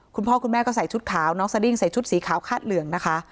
คุณพ่อคุณแม่ก็ใส่ชุดขาวน้องสดิ้งใส่ชุดสีขาวคาดเหลืองนะคะ